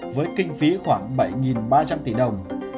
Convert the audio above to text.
với kinh phí khoảng bảy ba trăm linh tỷ đồng